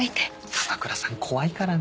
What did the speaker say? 樺倉さん怖いからね。